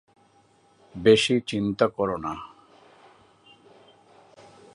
বেশি চিন্তা করো না।